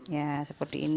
ya seperti ini